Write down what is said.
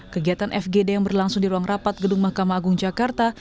kegiatan fgd yang berlangsung di ruang rapat gedung mahkamah agung jakarta